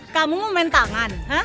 kamu mau main tangan